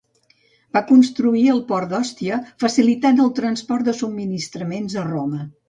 Va construir el port d'Òstia, facilitant el transport de subministraments a Roma.